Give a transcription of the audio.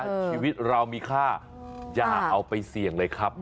ชีวิตเรามีค่าอย่าเอาไปเสี่ยงเลยครับ